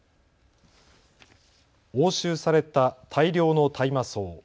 押収された大量の大麻草。